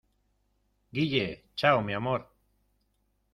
¡ guille! chao, mi amor.